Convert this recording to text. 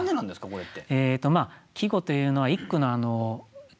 これって。